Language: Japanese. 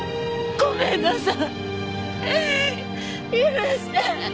ごめんなさい。